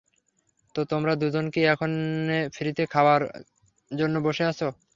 তো তোমরা দুজন কি এখানে ফ্রিতে খাবার খাওয়ার জন্য বসে আছো?